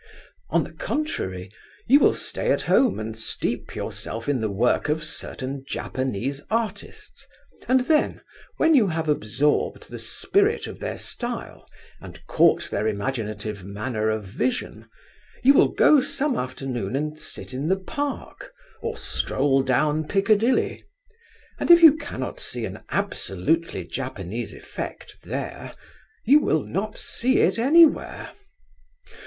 On the contrary, you will stay at home and steep yourself in the work of certain Japanese artists, and then, when you have absorbed the spirit of their style, and caught their imaginative manner of vision, you will go some afternoon and sit in the Park or stroll down Piccadilly, and if you cannot see an absolutely Japanese effect there, you will not see it anywhere.